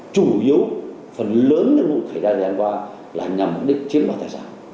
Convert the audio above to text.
chủ yếu phần lớn nước mụn khởi ra ngày hôm qua là nhằm mục đích chiếm đất tài sản